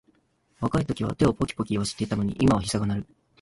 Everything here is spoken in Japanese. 若いときは手をポキポキいわせていたのに、今はひざが鳴る